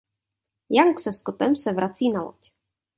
Young se Scottem se vrací na loď.